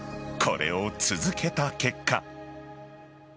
これを続けた結果。